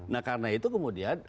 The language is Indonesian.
nah karena itu kemudian